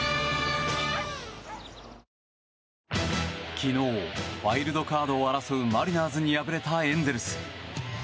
昨日、ワイルドカードを争うマリナーズに敗れたエンゼルス。